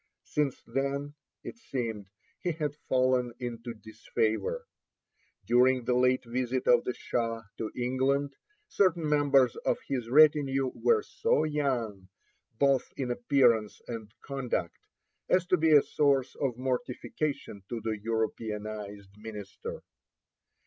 Since then, it seemed, he had fallen into disfavor. During the late visit of the Shah to England certain members of his retinue were so young, both in appearance and conduct, as to be a source of mortification to the Europeanized minister.